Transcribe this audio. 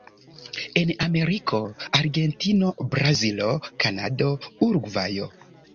En Ameriko: Argentino, Brazilo, Kanado, Urugvajo.